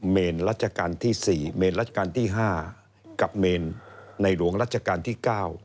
เมนรัชกาลที่๔เมนรัชกาลที่๕กับเมนในหลวงรัชกาลที่๙